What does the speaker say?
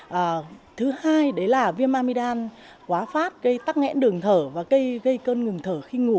và thứ hai đấy là viêm amidam quá phát gây tắc nghẽn đường thở và gây cơn ngừng thở khi ngủ